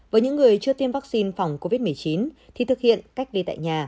với những người chưa tiêm vaccine phòng covid một mươi chín thì thực hiện cách ly tại nhà